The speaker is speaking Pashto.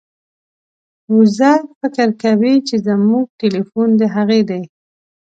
وزه فکر کوي چې زموږ ټیلیفون د هغې دی.